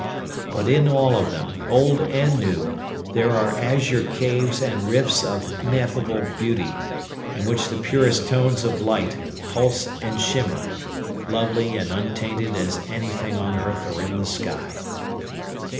But in all of them, old and new, there are azure caves and rifts of ineffable beauty, in which the purest tones of light pulse and shimmer, lovely and untainted as anything on earth or in the sky.